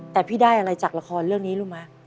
แต่พี่ได้อะไรจากละครเรื่องนี้รู้ไหม